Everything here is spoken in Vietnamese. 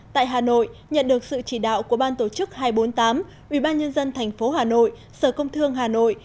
tại hà nội nhận được sự chỉ đạo của ban tổ chức hai trăm bốn mươi tám ubnd tp hà nội sở công thương hà nội